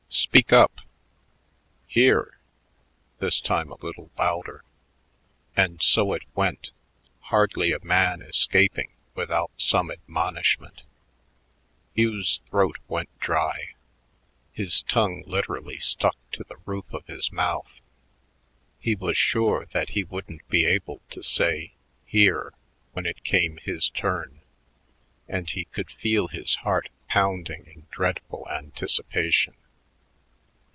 "Speak up!" "Here." This time a little louder. And so it went, hardly a man escaping without some admonishment. Hugh's throat went dry; his tongue literally stuck to the roof of his mouth: he was sure that he wouldn't be able to say "Here" when it came his turn, and he could feel his heart pounding in dreadful anticipation.